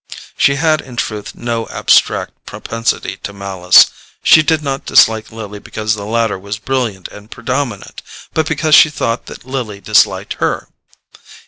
She had in truth no abstract propensity to malice: she did not dislike Lily because the latter was brilliant and predominant, but because she thought that Lily disliked her.